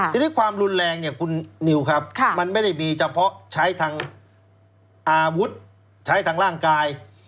ทีนี้ความรุนแรงเนี่ยคุณนิวครับมันไม่ได้มีเฉพาะใช้ทางอาวุธใช้ทางร่างกาย